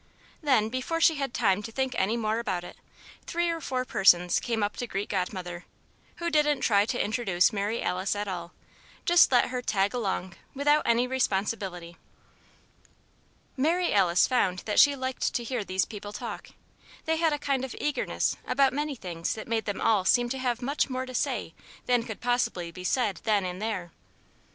Then, before she had time to think any more about it, three or four persons came up to greet Godmother, who didn't try to introduce Mary Alice at all just let her "tag along" without any responsibility. Mary Alice found that she liked to hear these people talk. They had a kind of eagerness about many things that made them all seem to have much more to say than could possibly be said then and there.